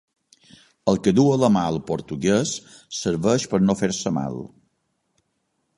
El que duu a la mà el portuguès serveix per no fer-se mal.